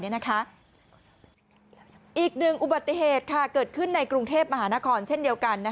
อีกหนึ่งอุบัติเหตุเกิดขึ้นในกรุงเทพมหานครเช่นเดียวกัน